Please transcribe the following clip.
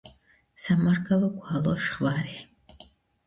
სამარგალო გვალო შხვა რე